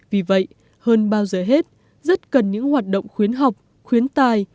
vì vậy hơn bao giờ hết rất cần những hoạt động khuyến học khuyến tài